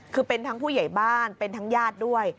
คือเป็นทั้งผู้ใหญ่บ้านเป็นทั้งญาติด้วย